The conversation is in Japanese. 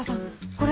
これ。